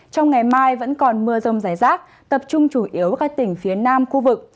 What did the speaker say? trong ngày mai vẫn còn mưa rông rải rác tập trung chủ yếu ở các tỉnh phía nam khu vực